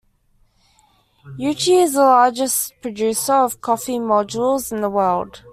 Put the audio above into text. Uchi is the largest producer of coffee modules in the world.